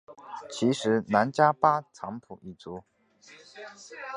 其时喃迦巴藏卜已卒。